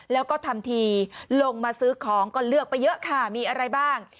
แล้วก็ทำทีลงมาซื้อของก็เลือกไปเยอะค่ะมีอะไรบ้าง